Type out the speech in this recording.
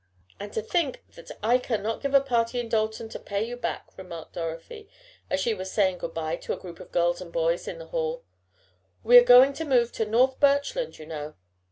"And to think that I cannot give a party in Dalton to pay you back," remarked Dorothy, as she was saying good bye to a group of girls and boys in the hall. "We are going to move to North Birchland, you know."